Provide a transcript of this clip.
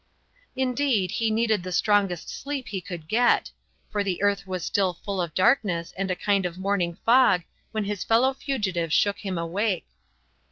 Indeed, he needed the strongest sleep he could get; for the earth was still full of darkness and a kind of morning fog when his fellow fugitive shook him awake.